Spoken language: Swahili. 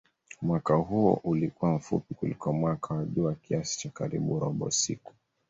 Mwaka huo ulikuwa mfupi kuliko mwaka wa jua kiasi cha karibu robo siku.